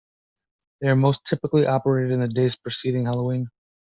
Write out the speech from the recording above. They are most typically operated in the days preceding Halloween.